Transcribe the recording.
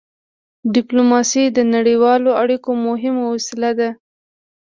ډيپلوماسي د نړیوالو اړیکو مهمه وسيله ده.